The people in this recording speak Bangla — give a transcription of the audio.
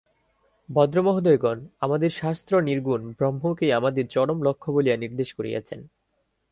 ভদ্রমহোদয়গণ, আমাদের শাস্ত্র নির্গুণ ব্রহ্মকেই আমাদের চরম লক্ষ্য বলিয়া নির্দেশ করিয়াছেন।